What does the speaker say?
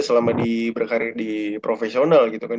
selama di berkarir di profesional gitu kan